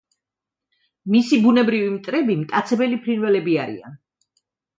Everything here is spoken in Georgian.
მისი ბუნებრივი მტრები მტაცებელი ფრინველები არიან.